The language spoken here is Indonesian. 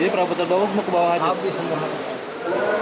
jadi perabotan dulu mau ke bawah hanyut